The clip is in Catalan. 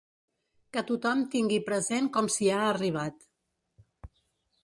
Que tothom tingui present com s’hi ha arribat.